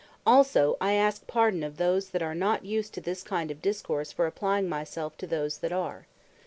Also I ask pardon of those that are not used to this kind of Discourse, for applying my selfe to those that are.